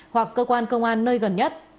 hoặc cơ quan công an nơi gần nhất